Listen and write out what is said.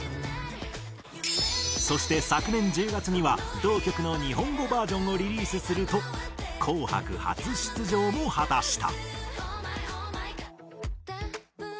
そして昨年１０月には同曲の日本語バージョンをリリースすると『紅白』初出場も果たした。